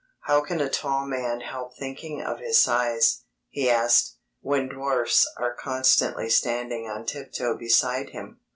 "How can a tall man help thinking of his size," he asked, "when dwarfs are constantly standing on tiptoe beside him?"